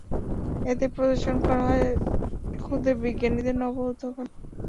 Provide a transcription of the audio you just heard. এতে প্রদর্শন করা হয় ক্ষুদে বিজ্ঞানীদের নব উদ্ভাবন।